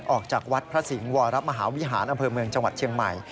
ออกจากวัดพระสิงห์วรมหาวิหารอำเภอเมืองจังหวัดเชียงใหม่